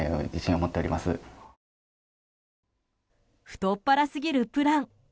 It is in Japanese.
太っ腹すぎるプラン。